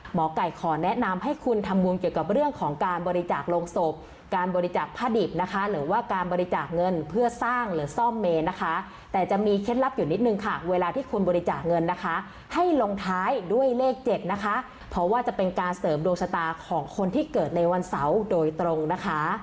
หมอไก่ขอแนะนำให้คุณทำบุญเกี่ยวกับเรื่องของการบริจาคโรงศพการบริจาคผ้าดิบนะคะหรือว่าการบริจาคเงินเพื่อสร้างหรือซ่อมเมนนะคะแต่จะมีเคล็ดลับอยู่นิดนึงค่ะเวลาที่คุณบริจาคเงินนะคะให้ลงท้ายด้วยเลข๗นะคะเพราะว่าจะเป็นการเสริมดวงชะตาของคนที่เกิดในวันเสาร์โดยตรงนะคะ